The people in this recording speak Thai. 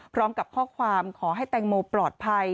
พร้อมกับข้อความขอให้แตงโมปลอดภัย